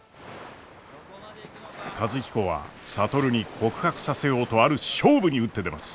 和彦は智に告白させようとある勝負に打って出ます！